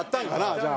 じゃあ。